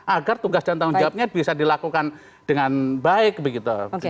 agar tugas dan tanggung jawabnya bisa dilakukan dengan baik begitu